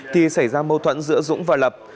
thì xảy ra mâu thuẫn giữa dũng và lập